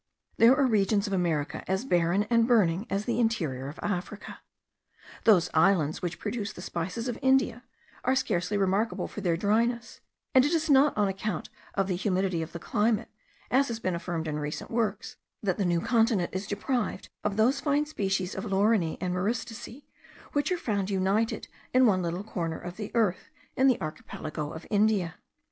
There are regions of America as barren and burning as the interior of Africa. Those islands which produce the spices of India are scarcely remarkable for their dryness; and it is not on account of the humidity of the climate, as has been affirmed in recent works, that the New Continent is deprived of those fine species of lauriniae and myristicae, which are found united in one little corner of the earth in the archipelago of India.